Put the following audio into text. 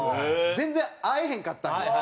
全然会えへんかったのよ。